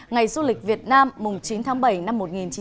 ngày du lịch việt nam chín tháng bảy năm một nghìn chín trăm sáu mươi